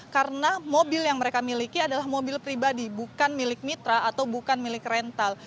karena mobil yang mereka miliki adalah mobil pribadi bukan milik mitra atau bukan milik rental